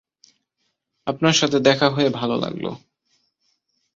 আপনার সাথে দেখা হয়ে ভালো লাগলো।